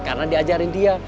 karena diajarin dia